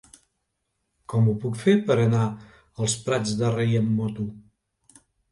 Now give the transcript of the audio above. Com ho puc fer per anar als Prats de Rei amb moto?